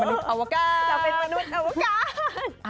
มนุษย์อวกาศมนุษย์อวกาศ